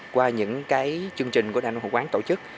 qua những chương trình của đại nam hội quán tổ chức